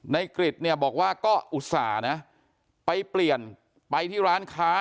กริจเนี่ยบอกว่าก็อุตส่าห์นะไปเปลี่ยนไปที่ร้านค้า